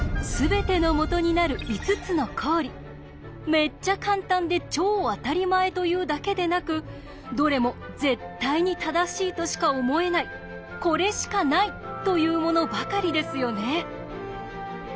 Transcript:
めっちゃカンタンで超あたりまえというだけでなくどれも「絶対に正しいとしか思えないこれしかない」というものばかりですよね。